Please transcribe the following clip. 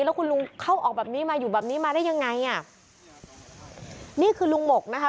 แล้วคุณลุงเข้าออกแบบนี้มาอยู่แบบนี้มาได้ยังไงอ่ะนี่คือลุงหมกนะคะ